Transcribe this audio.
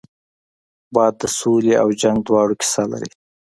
باد د سولې او جنګ دواړو کیسه لري